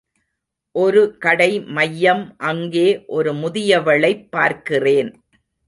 ஒரு கடை மையம் அங்கே ஒரு முதியவளைப் பார்க்கிறேன்.